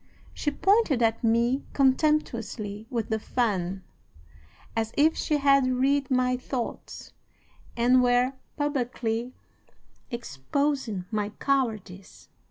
She pointed at me contemptuously with the fan, as if she had read my thoughts and were publicly exposing my cowardice.